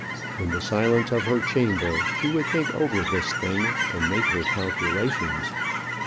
In the silence of her chamber, she would think over this thing and make her calculations.